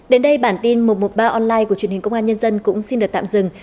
đến đây bản tin một trăm một mươi ba online của truyền hình công an nhân dân cũng xin được tạm dừng